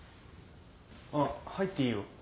あっ入っていいよ。